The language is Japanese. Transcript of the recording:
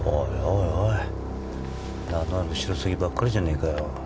おいおい名のあるシロサギばっかりじゃねえかよ